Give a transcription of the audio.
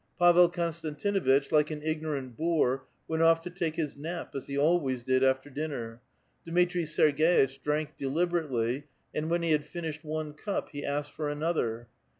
Pavel Konstantinuitch, like an ignorant l)oor, went off to take his nap, as he always did after dinner. Dimtri 8erg6itch drank deliberately, and when he had finished one cup, he asked for another.